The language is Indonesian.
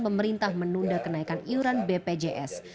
pemerintah menunda kenaikan iuran bpjs